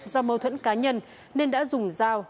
do mâu thuẫn cá nhân nên đã dùng dao